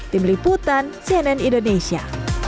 tim liputan cnn indonesia